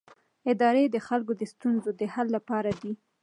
ادارې د خلکو د ستونزو د حل لپاره دي